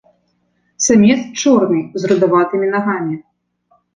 Самец чорны з рудаватымі нагамі.